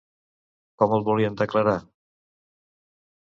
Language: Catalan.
Com el volien declarar?